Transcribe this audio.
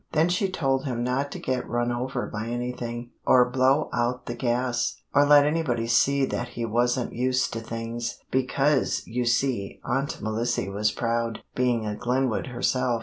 Then she told him not to get run over by anything, or blow out the gas, or let anybody see that he wasn't used to things, because, you see, Aunt Melissy was proud, being a Glenwood herself.